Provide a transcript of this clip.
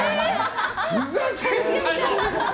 ふざけんなよ！